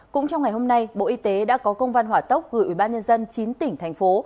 cũng trong ngày hôm nay bộ y tế đã có công văn hỏa tốc gửi ủy ban nhân dân chín tỉnh thành phố